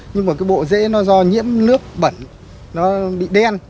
nhưng mà cái bộ dễ nó do nhiễm nước bẩn nó bị đen